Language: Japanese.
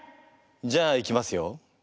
じゃあいきますよ。